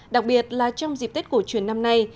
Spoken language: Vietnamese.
đặc biệt là trong dịp tết cổ truyền năm nay